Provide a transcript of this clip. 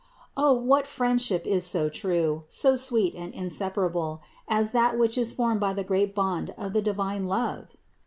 O what friendship is so true, so sweet and inseparable, as that which is formed by the great bond of the divine love!